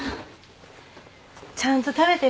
ちゃんと食べてる？